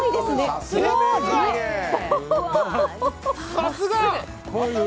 さすが！